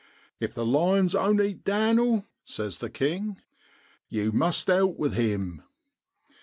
< If the lions oan't eat Dan'],' says the king, 'yew must out with him.'